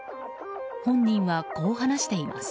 本人は、こう話しています。